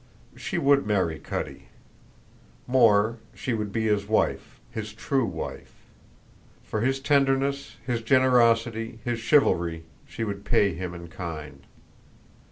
She would marry Cutty. More, she would be his wife, his true wife. For his tenderness, his generosity, his chivalry, she would pay him in kind.